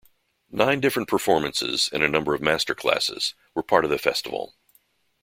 Nine different performances and a number of master classes were part of the festival.